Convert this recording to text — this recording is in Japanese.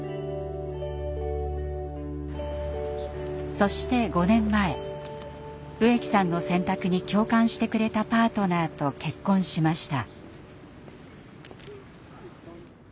そして５年前植木さんの選択に共感してくれたパートナーと結婚しました。